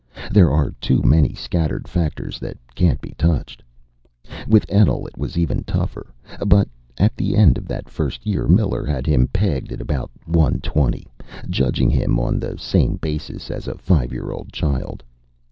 There are too many scattered factors that can't be touched. With Etl, it was even tougher. But at the end of that first year Miller had him pegged at about 120, judging him on the same basis as a five year old child.